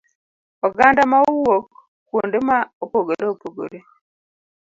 oganda ma owuok kuonde ma opogore opogore.